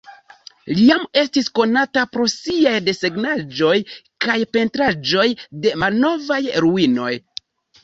Li jam estis konata pro siaj desegnaĵoj kaj pentraĵoj de malnovaj ruinoj.